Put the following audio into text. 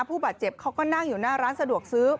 ผู้บาดเจ็บเขาก็นั่งอยู่หน้าร้านสะดวกซื้อ